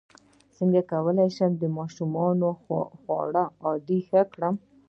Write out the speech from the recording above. څنګه کولی شم د ماشومانو د خوړو عادت ښه کړم